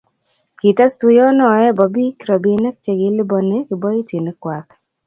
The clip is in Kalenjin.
kites tuyionoe bo biik robinik che kiliboni kiboitinikwak